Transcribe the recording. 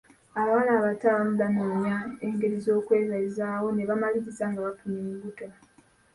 Abawala abato abamu banoonya engeri z'okwebeezaawo ne bamaliriza nga bafunye embuto.